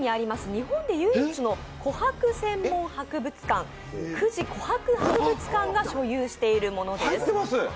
日本で唯一の琥珀専門博物館、久慈琥珀博物館が所有しているものです。